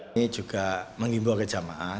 ini juga mengimbau ke jamaah